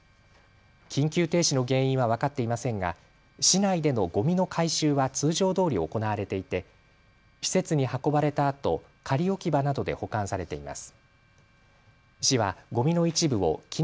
緊急停止の原因は分かっていませんが市内でのごみの回収は通常どおり行われていて施設に運ばれたあと仮置き場などで保管されています。